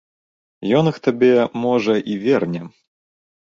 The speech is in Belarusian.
Ён іх табе, можа, і верне.